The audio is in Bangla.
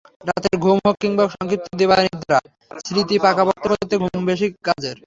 রাতের ঘুম হোক কিংবা সংক্ষিপ্ত দিবানিদ্রা, স্মৃতি পাকাপোক্ত করতে ঘুম বেশ কাজের।